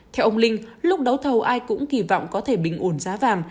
theo ông linh lúc đấu thầu ai cũng kỳ vọng có thể bình ổn giá vàng